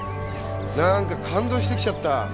何か感動してきちゃった。